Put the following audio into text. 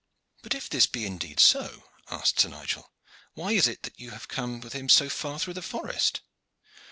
"But if this be indeed so," asked Sir Nigel, "why is it that you have come with him so far through the forest?"